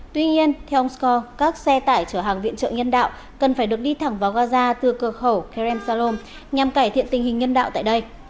tuy nhiên theo ông scott các xe tải chở hàng viện trợ nhân đạo cần phải được đi thẳng vào gaza từ cửa khẩu kerem salom nhằm cải thiện tình hình nhân đạo tại đây